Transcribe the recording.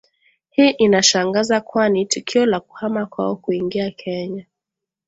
Hii inashangaza kwani tukio la kuhama kwao kuingia Kenya